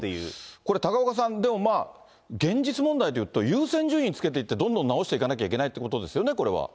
これ、高岡さん、でも、現実問題で言うと、優先順位をつけて、どんどん直していかなきゃいけないということですよね、これは。